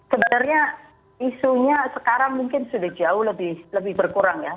sebenarnya isunya sekarang mungkin sudah jauh lebih berkurang ya